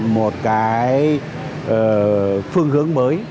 một cái phương hướng mới